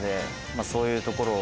そういうところを。